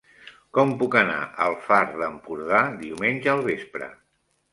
Com puc anar al Far d'Empordà diumenge al vespre?